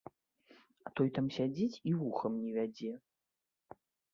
А той там сядзіць і вухам не вядзе.